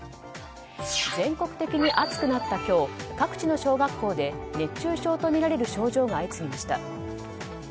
全国的に暑くなった今日各地の小学校で熱中症とみられる症状が相次ぎました。